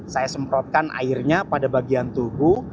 saya semprotkan airnya pada bagian tubuh